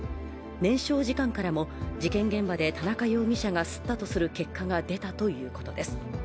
燃焼時間からも事件現場で田中容疑者が吸ったとする結果が出たということです。